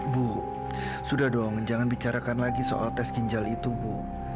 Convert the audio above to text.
bu sudah dong jangan bicarakan lagi soal tes ginjal itu bu